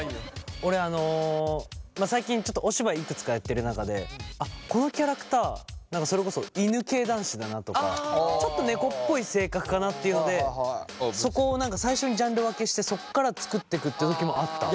俺最近ちょっとお芝居いくつかやってる中でこのキャラクターそれこそ犬系男子だなとかちょっと猫っぽい性格かなっていうのでそこを最初にジャンル分けしてそっから作ってくって時もあった。